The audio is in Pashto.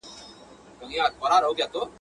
ژورنالستان باید حقیقت ووایي